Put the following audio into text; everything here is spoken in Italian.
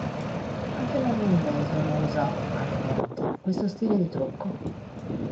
Anche Marilyn Manson usa, alle volte, questo stile di trucco.